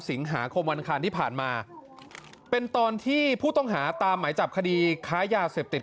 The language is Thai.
สิงหาคมวันคารที่ผ่านมาเป็นตอนที่ผู้ต้องหาตามหมายจับคดีค้ายาเสพติด